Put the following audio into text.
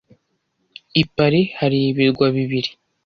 I Paris hari ibirwa bibiri